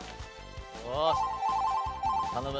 よし頼む。